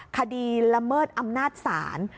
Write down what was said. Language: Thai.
ละเมิดอำนาจศาล